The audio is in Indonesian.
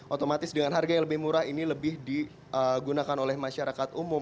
otomatis dengan harga yang lebih murah ini lebih digunakan oleh masyarakat umum